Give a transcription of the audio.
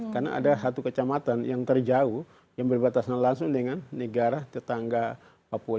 karena ada satu kecamatan yang terjauh yang berbatasan langsung dengan negara tetangga papua